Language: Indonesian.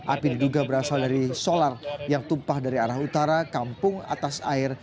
api diduga berasal dari solar yang tumpah dari arah utara kampung atas air